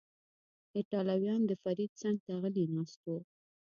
ایټالویان، د فرید څنګ ته غلی ناست و.